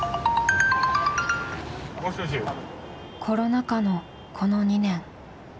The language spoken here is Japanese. コロナ禍のこの２年。